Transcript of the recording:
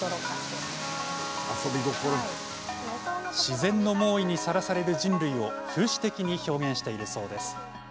自然の猛威にさらされる人類を風刺的に表現しているそうです。